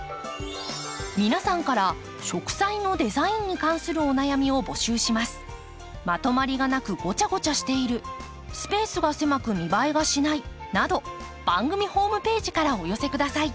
皆さんから植栽のデザインに関するお悩みを募集します。など番組ホームページからお寄せください。